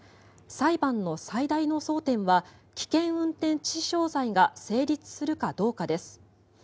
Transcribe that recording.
裁判の最大の争点は危険運転致死傷罪が成立するかどうかです。